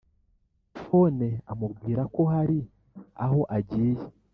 phone amubwira ko hari aho agiye